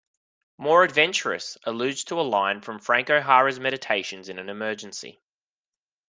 "More Adventurous" alludes to a line from Frank O'Hara's Meditations in an Emergency.